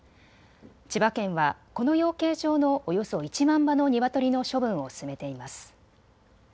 千葉県はこの養鶏場のおよそ１万羽のニワトリの処分を進めています。